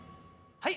はい。